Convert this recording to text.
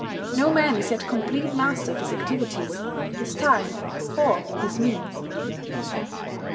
No man is yet complete master of his activities, his time, or his means.